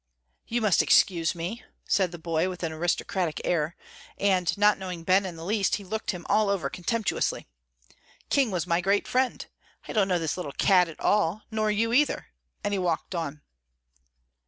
"You must excuse me," said the boy, with an aristocratic air, and, not knowing Ben in the least, he looked him all over contemptuously. "King was my great friend. I don't know this little cad at all, nor you either," and he walked on.